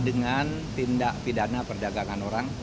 dengan tindak pidana perdagangan orang